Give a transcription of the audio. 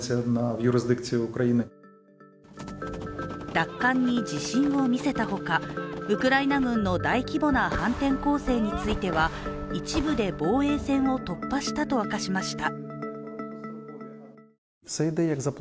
奪還に自信を見せたほか、ウクライナ軍の大規模な反転攻勢については一部で防衛線を突破したと明かしました。